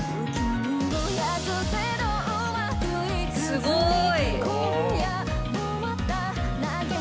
すごい。